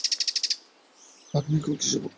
ভাগ্নে, এখন কৃষ্ণপক্ষ!